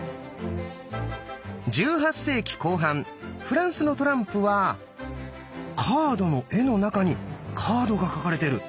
１８世紀後半フランスのトランプはカードの絵の中にカードが描かれてる。